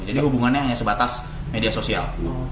jadi hubungannya hanya sebatas media sosial